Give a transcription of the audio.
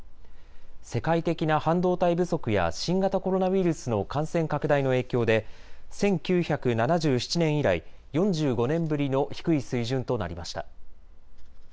世界的な半導体不足や新型コロナウイルスの感染拡大の影響で１９７７年以来、４５年ぶりの低い水準となりました。